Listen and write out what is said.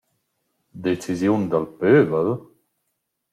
Decisiun dal pövel?